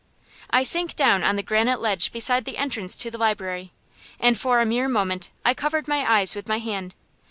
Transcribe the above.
I sank down on the granite ledge beside the entrance to the Library, and for a mere moment I covered my eyes with my hand.